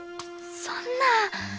そんな！